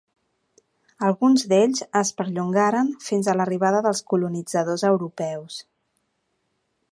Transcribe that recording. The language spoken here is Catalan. Alguns d'ells es perllongaren fins a l'arribada dels colonitzadors europeus.